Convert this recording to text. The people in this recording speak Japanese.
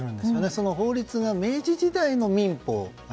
その法律が明治時代の民法。